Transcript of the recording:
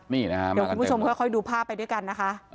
เดี๋ยวคุณผู้ชมค่อยดูภาพไปด้วยกันนะคะ